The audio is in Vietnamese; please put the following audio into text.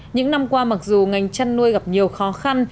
những năm qua mặc dù ngành chăn nuôi gặp nhiều khó khăn